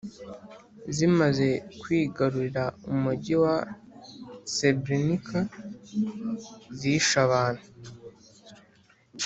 zimaze kwigarurira umujyi wa srebrenica zishe abantu